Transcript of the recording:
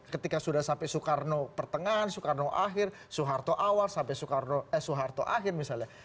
ketika sudah sampai soekarno pertengahan soekarno akhir soeharto awal sampai soeharto akhir misalnya